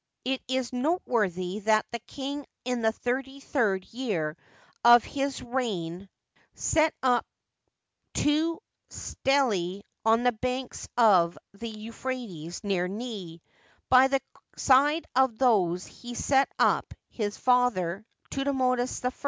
It is noteworthy that the king in the thirty third year of his reign set up two stelae on the banks of the Euphrates, near Nil, by the side of those set up his father, Thutmosis I.